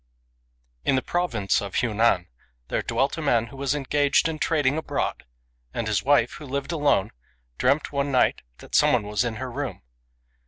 IN the province of Hunan there dwelt a man who was engaged in trading abroad; and his wife, who lived alone, dreamt one night that some one was in her room.